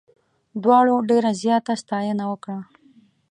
دواړو ډېره زیاته ستاینه وکړه.